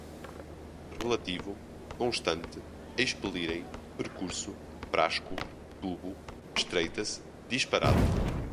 relativo, constante, expelirem, percurso, frasco, tubo, estreita-se, disparado